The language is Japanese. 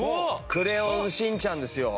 『クレヨンしんちゃん』ですよ。